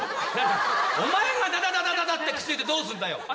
お前が「ダダダダダ」って口で言ってどうすんだよ！